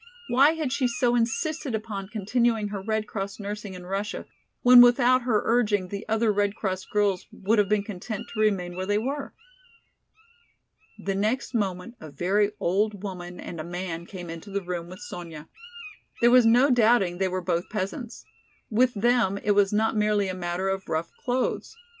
Why had she so insisted upon continuing her Red Cross nursing in Russia, when without her urging the other Red Cross girls would have been content to remain where they were? The next moment a very old woman and a man came into the room with Sonya. There was no doubting they were both peasants. With them it was not merely a matter of rough clothes.